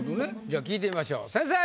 じゃあ聞いてみましょう先生。